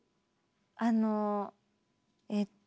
あのえっと。